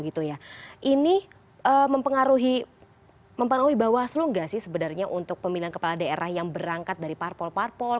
ini mempengaruhi mempengaruhi bawaslu nggak sih sebenarnya untuk pemilihan kepala daerah yang berangkat dari parpol parpol